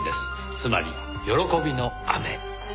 つまり「喜びの雨」。